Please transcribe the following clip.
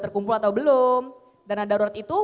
terkumpul atau belum dana darurat itu